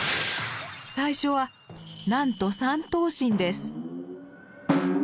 最初はなんと３頭身です。